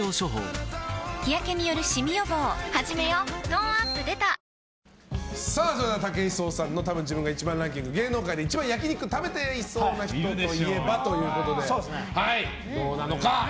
トーンアップ出たそれでは、武井壮さんのたぶん自分が１番ランキング芸能界で一番、焼き肉を食べてそうな人といえば？ということで。